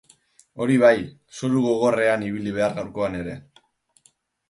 Hori bai, zoru gogorrean ibili behar gaurkoan ere.